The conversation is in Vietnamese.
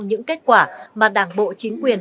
những kết quả mà đảng bộ chính quyền